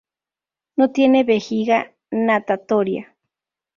No tiene vejiga natatoria.